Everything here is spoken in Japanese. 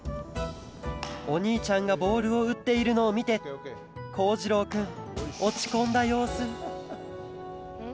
おにいちゃんがボールをうっているのをみてこうじろうくんおちこんだようすん？